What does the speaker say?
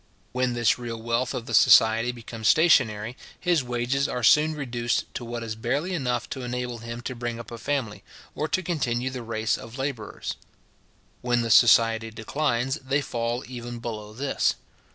When this real wealth of the society becomes stationary, his wages are soon reduced to what is barely enough to enable him to bring up a family, or to continue the race of labourers. When the society declines, they fall even below this.